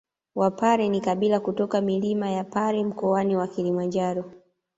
Wapare ni kabila kutoka milima ya Pare Mkoani wa Kilimanjaro